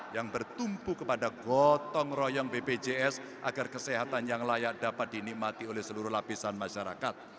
yang bertumpu kepada gotong royong bpjs agar kesehatan yang layak dapat dinikmati oleh seluruh lapisan masyarakat